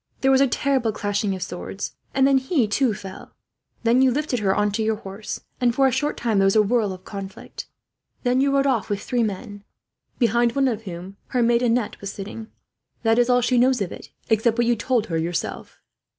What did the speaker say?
There was a terrible clashing of swords; and then he, too, fell. Then you lifted her on to your horse, and for a short time there was a whirl of conflict. Then you rode off with three men, behind one of whom her maid Annette was sitting. That is all she knows of it, except what you told her, yourself."